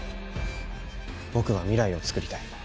僕は未来をつくりたい。